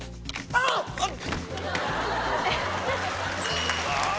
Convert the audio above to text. あっ。